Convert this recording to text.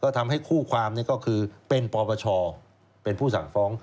ทำให้คู่ความก็คือเป็นปปชเป็นผู้สั่งฟ้อง